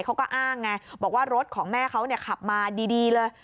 เขาก็อ้างไงบอกว่ารถของแม่เขาขับมาดีเลย